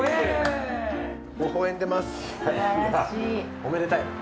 おめでたい。